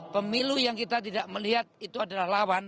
pemilu yang kita tidak melihat itu adalah lawan